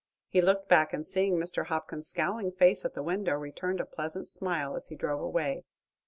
He looked back, and seeing Mr. Hopkins's scowling face at the window returned a pleasant smile as he drove away.